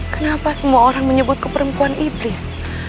kenapa semua orang menyebutku perempuan iblis